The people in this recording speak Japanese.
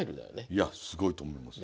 いやすごいと思います。